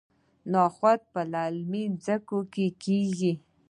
نخود په للمي ځمکو کې کیږي.